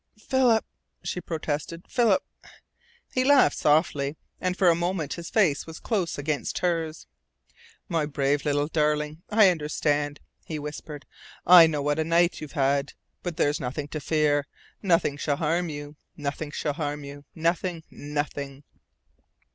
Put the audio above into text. "Philip!" she protested. "Philip " He laughed softly, and for a moment his face was close against hers. "My brave little darling! I understand," he whispered. "I know what a night you've had. But there's nothing to fear. Nothing shall harm you. Nothing shall harm you, nothing, nothing!"